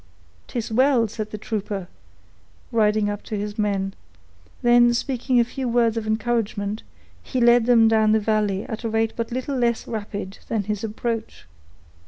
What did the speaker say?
"'Tis well!" said the trooper, riding up to his men; then, speaking a few words of encouragement, he led them down the valley at a rate but little less rapid than his approach.